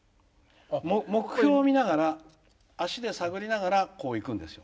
目標を見ながら足で探りながらこう行くんですよ。